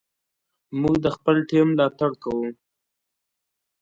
موږ د خپل ټیم ملاتړ کوو.